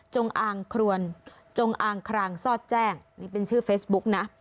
งอางครวนจงอางครางซอดแจ้งนี่เป็นชื่อเฟซบุ๊กนะ